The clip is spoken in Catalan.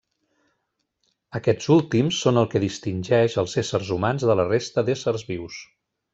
Aquests últims són el que distingeix els éssers humans de la resta d'éssers vius.